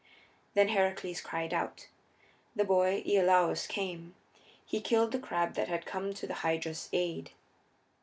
Then Heracles cried out. The boy Iolaus came; he killed the crab that had come to the Hydra's aid.